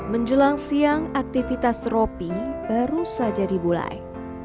menjelang siang aktivitas ropi baru saja dimulai